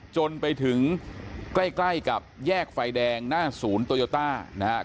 จนไปถึงใกล้กับแยกไฟแดงหน้าศูนย์โตโยต้านะครับ